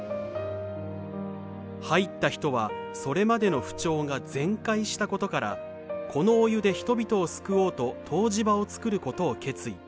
入った人はそれまでの不調が全快したことからこのお湯で人々を救おうと湯治場を作ることを決意。